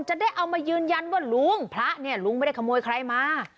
จะได้เอามายืนยันว่าลุงพระเนี่ยลุงไม่ได้ขโมยใครมา